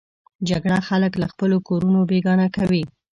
جګړه خلک له خپلو کورونو بېګانه کوي